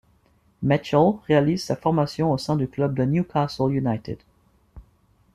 Mitchell réalise sa formation au sein du club de Newcastle United.